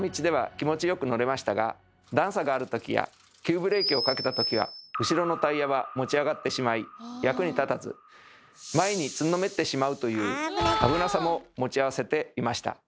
段差があるときや急ブレーキをかけたときは後ろのタイヤは持ち上がってしまい役に立たず前につんのめってしまうという危なさも持ち合わせていました。